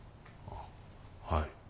はい。